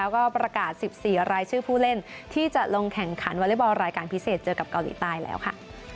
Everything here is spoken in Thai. ก็ประกาศ๑๔รายชื่อผู้เล่นที่จะลงแข่งขันวอเล็กบอลรายการพิเศษเจอกับเกาหลีใต้แล้วค่ะ